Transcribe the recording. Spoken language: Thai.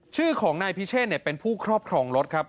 ชื่อของนายพิเชษเป็นผู้ครอบครองรถครับ